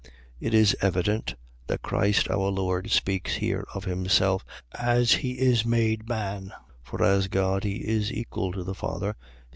. .It is evident, that Christ our Lord speaks here of himself as he is made man: for as God he is equal to the Father.